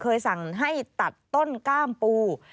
สั่งให้ตัดต้นกล้ามปู